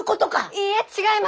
いいえ違います！